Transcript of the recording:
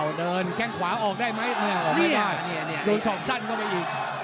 แล้วแข้งขวาออกได้ไหมออกไม่ได้